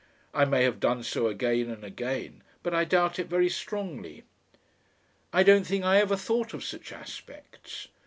I may have done so again and again. But I doubt it very strongly. I don't think I ever thought of such aspects.